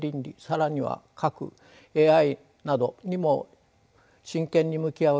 更には核ＡＩなどにも真剣に向き合う必要があります。